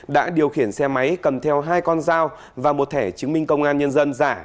đã điều khiển xe máy cầm theo hai con dao và một thẻ chứng minh công an nhân dân giả